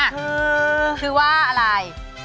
คือคือว่าอะไร